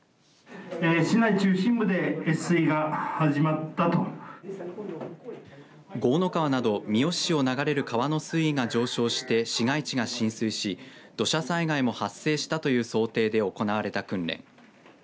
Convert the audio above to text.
市内中心部で浸水が始まったと江の川など三次市を流れる川の水位が上昇し市街地が浸水し、土砂災害も発生したという想定で行われた訓練。